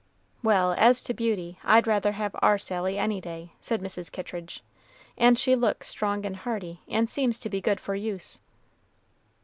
"Well, as to beauty, I'd rather have our Sally any day," said Mrs. Kittridge; "and she looks strong and hearty, and seems to be good for use."